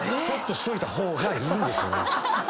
そっとしといた方がいいんですよね。